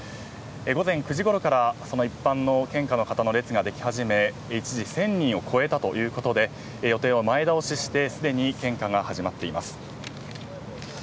午前９時ごろから一般の献花の方の列ができ始め一時、１０００人を超えたということで予定を前倒ししてすでに献花が始まっています。